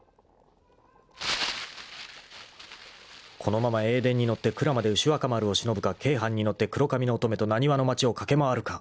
［このまま叡電に乗って鞍馬で牛若丸をしのぶか京阪に乗って黒髪の乙女と浪速の町を駆け回るか］